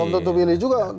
belum tentu memilih juga